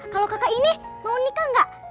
kalau kakak ini mau nikah nggak